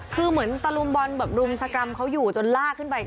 คือเหมือนตะลุมบอลแบบรุมสกรรมเขาอยู่จนลากขึ้นไป